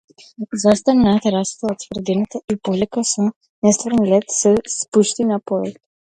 Застана на терасата од тврдината и полека, со нестварен лет се спушти на подот.